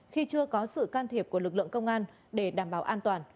khi chưa có sự can thiệp của lực lượng công an để đảm bảo an toàn